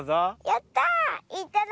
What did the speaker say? やった！